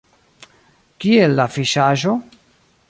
Kiel la fiŝaĵo?